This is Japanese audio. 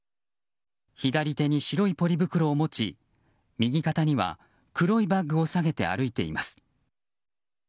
左手に白いポリ袋を持ち右肩には黒いバッグを提げて歩いています。